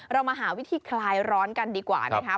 เรามาหาวิธีคลายร้อนกันดีกว่านะคะ